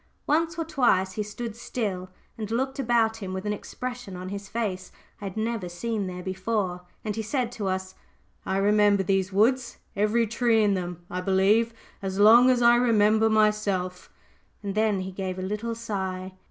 Once or twice he stood still, and looked about him with an expression on his face I had never seen there before, and he said to us "I remember these woods every tree in them, I believe as long as I remember myself;" and then he gave a little sigh.